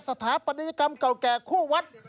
สถาปฏิริกรรมเก่าแก่คู่วรรษ